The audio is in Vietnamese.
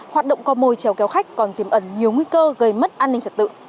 hoạt động co mồi trèo kéo khách còn tìm ẩn nhiều nguy cơ gây mất an ninh trật tự